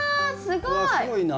すごいな。